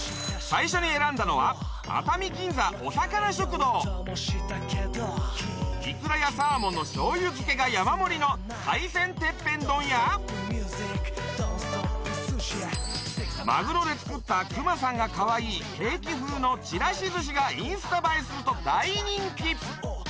最初に選んだのはいくらやサーモンのしょうゆ漬けが山盛りの海鮮てっぺん丼やまぐろで作ったくまさんがかわいいケーキ風のちらし寿司がインスタ映えすると大人気！